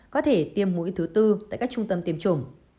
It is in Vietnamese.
có thể tiêm mũi thứ tư tại các trung tâm tiêm chủng